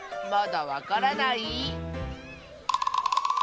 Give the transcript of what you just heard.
まだわからない？